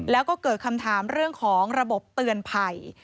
แล้วก็เกิดคำถามเรื่องของระบบเตือนภัย